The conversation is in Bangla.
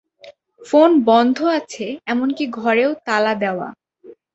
ফোন বন্ধ আছে এমনকি ঘরেও তালা দেওয়া।